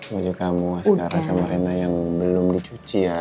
baju kamu sekarang sama rena yang belum dicuci ya